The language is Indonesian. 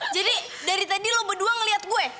jadi dari tadi lo berdua ngeliat gue